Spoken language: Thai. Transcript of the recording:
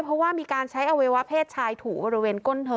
เพราะว่ามีการใช้อวัยวะเพศชายถูบริเวณก้นเธอ